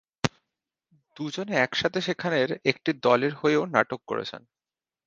দুজনে একসাথে সেখানের একটি দলের হয়েও নাটক করেছেন।